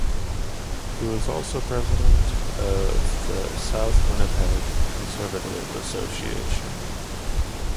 He was also president of the South Winnipeg Conservative Association.